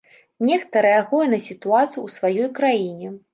Нехта рэагуе на сітуацыю ў сваёй краіне.